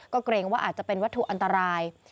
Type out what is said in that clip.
ก็เกรงว่าอาจจะเป็นวัตถุอันตราย